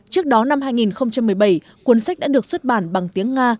trước đó năm hai nghìn một mươi bảy cuốn sách đã được xuất bản bằng tiếng nga